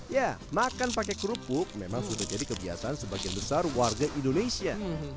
ya makan pakai kerupuk memang sudah jadi kebiasaan sebagian besar warga indonesia